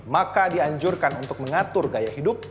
maka dianjurkan untuk mengatur gaya hidup